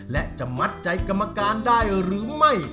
และจะมัดใจกรรมการได้หรือไม่